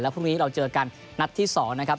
พรุ่งนี้เราเจอกันนัดที่๒นะครับ